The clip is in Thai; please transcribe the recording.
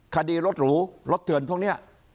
คดีรถหรูรถเถื่อนพวกนี้